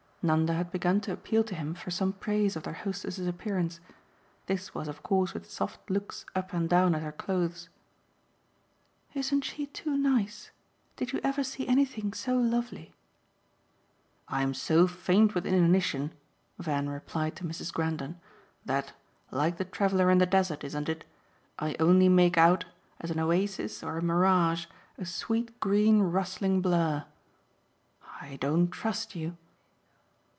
Nanda had begun to appeal to him for some praise of their hostess's appearance. This was of course with soft looks up and down at her clothes. "Isn't she too nice? Did you ever see anything so lovely?" "I'm so faint with inanition," Van replied to Mrs. Grendon, "that like the traveller in the desert, isn't it? I only make out, as an oasis or a mirage, a sweet green rustling blur. I don't trust you."